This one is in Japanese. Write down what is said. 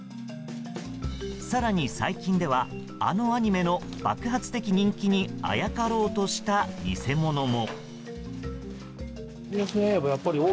更に、最近ではあのアニメの爆発的人気にあやかろうとした偽物も。